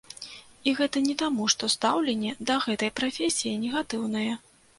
І гэта не таму, што стаўленне да гэтай прафесіі негатыўнае.